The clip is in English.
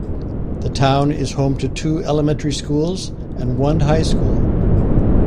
The town is home to two elementary schools, and one High-school.